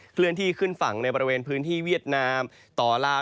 เลื่อนที่ขึ้นฝั่งในบริเวณพื้นที่เวียดนามต่อลาว